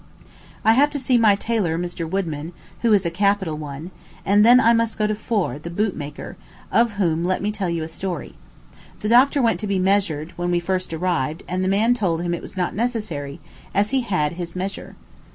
I have to see my tailor, Mr. Woodman, who is a capital one; and then I must go to Forr, the boot maker, of whom let me tell you a story. The doctor went to be measured, when we first arrived, and the man told him it was not necessary, as he had his measure.